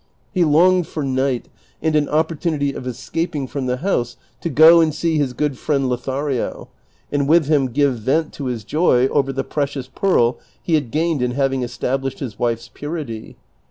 He longed for night and an opportunity of escaping from the house to go and see his good friend Lothario, and with him give vent to his joy over the precious jiearl he had gained in having established his wife's purity.